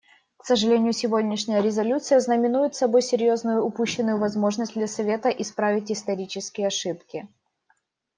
К сожалению, сегодняшняя резолюция знаменует собой серьезную упущенную возможность для Совета исправить исторические ошибки.